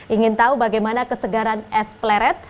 ingin tahu bagaimana kesegaran es pleret